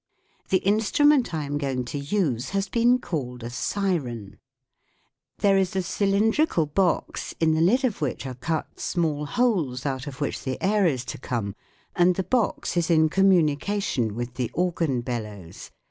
The instrument I am going to use has been called a siren. There is a cylindri cal box, in the lid of which are cut small holes out of which the air is to come, and the box is in communica tion with the organ bellows.